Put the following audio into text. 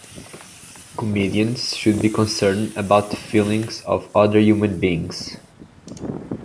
Comedians should be concerned about the feelings of other human beings.